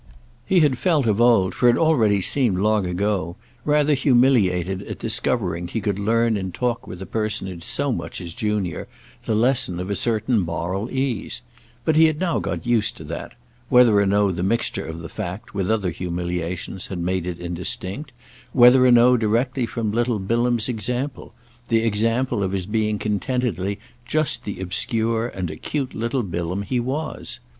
He had felt of old—for it already seemed long ago—rather humiliated at discovering he could learn in talk with a personage so much his junior the lesson of a certain moral ease; but he had now got used to that—whether or no the mixture of the fact with other humiliations had made it indistinct, whether or no directly from little Bilham's example, the example of his being contentedly just the obscure and acute little Bilham he was.